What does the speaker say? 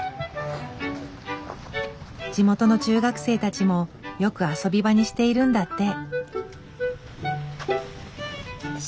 地元の中学生たちもよく遊び場にしているんだって。